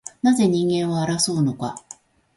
なぜ人間は争うのか